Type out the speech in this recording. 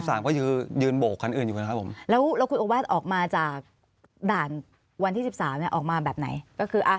ทางตัวจะยืนบกคันอื่นอยู่นะครับผมแล้วรู้ว่าออกมาจากด่านวันที่๑๓นี่ออกมาแบบไหนก็คือ